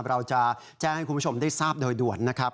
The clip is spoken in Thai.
เราจะแจ้งให้คุณผู้ชมได้ทราบโดยด่วนนะครับ